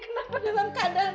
kenapa setelah kecelakaan kamu